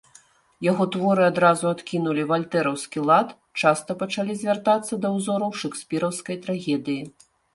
Яго творы адразу адкінулі вальтэраўскі лад, часта пачалі звяртацца да ўзораў шэкспіраўскай трагедыі.